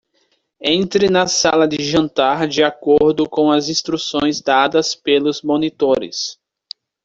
Entre na sala de jantar de acordo com as instruções dadas pelos monitores.